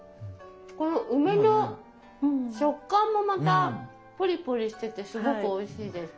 この梅の食感もまたぽりぽりしててすごくおいしいです。